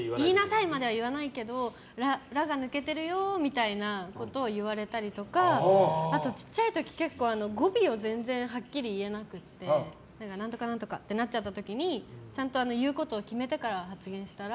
いまでは言わないけどらが抜けてるよみたいなことを言われたりとかあと、小さい時、結構語尾をはっきり言えなくて何とか何とかってなっちゃった時にちゃんと言うことを決めてから発言したら？